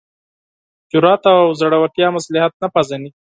جرات او زړورتیا مصلحت نه پېژني.